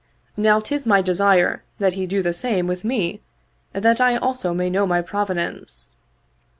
Now 'tis my desire that he do the same with me that I also may know my provenance."